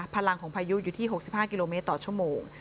พลังของพายุอยู่ที่๖๕กิโลเมตรต่อชั่วโมง